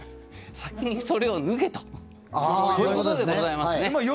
先にそれを脱げということでございますね。